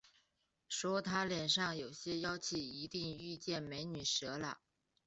说他脸上有些妖气，一定遇见“美女蛇”了